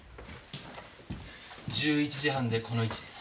１１時半でこの位置です。